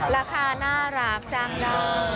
ราคาน่ารับจังนะ